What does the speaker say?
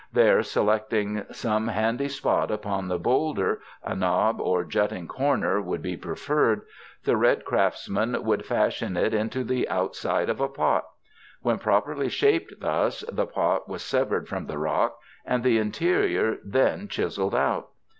There selecting some handy spot upon the bowlder— a knob or jutting cor ner would be preferred — the red craftsman would fashion it into the outside of a pot. When properly shaped thus, the pot was severed from the rock and the interior then chiseled out.